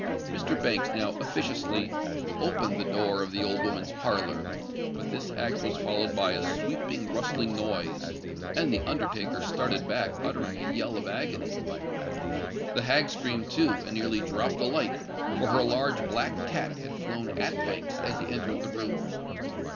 Mr. Banks now officiously opened the door of the old woman's parlour; but this act was followed by a sweeping, rustling noise—and the undertaker started back, uttering a yell of agony. The hag screamed too, and nearly dropped the light; for her large black cat had flown at Banks as he entered the room.